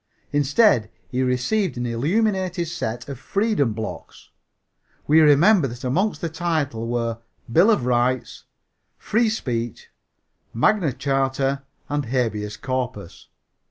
Instead, he received an illuminated set of Freedom Blocks. We remember that among the titles were "Bill of Rights," "Free Speech," "Magna Charta" and "Habeas Corpus."